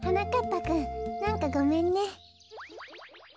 ぱくんなんかごめんね。